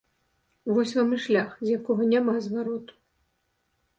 Вось вам і шлях, з якога няма звароту.